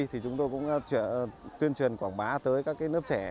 thì chúng tôi cũng tuyên truyền quảng bá tới các nước trẻ